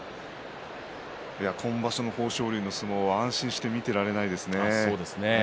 今場所の豊昇龍の相撲は安心して見ていられないですね。